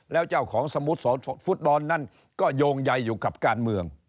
แล้วเจ้าของสมุทรฟุตบอลนั้นก็โยงใยอยู่กับการเมือง